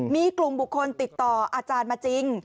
มีกลุ่มบุคคลติดต่ออาจารย์มาจริง